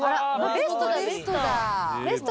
ベストだ、ベスト。